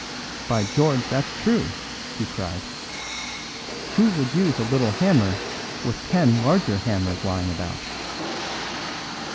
"By George, that's true," he cried; "who would use a little hammer with ten larger hammers lying about?"